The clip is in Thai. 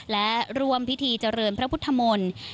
และร่วมพิธีเจริญพระพุทธมนตร์